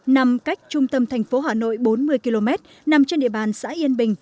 nằm cách trung tâm thành phố hà nội bốn mươi km nằm trên địa bàn xã yên bình